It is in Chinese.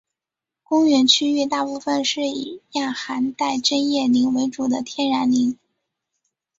公园区域大部分是以亚寒带针叶林为主的天然林。